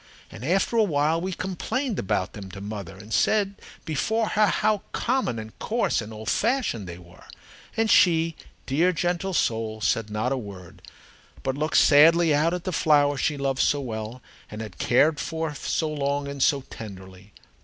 And after a while we complained about them to mother and said before her how common and coarse and old fashioned they were. And she, dear, gentle soul, said not a word, but looked sadly out at the flowers she loved so well and had cared for so long and so tenderly.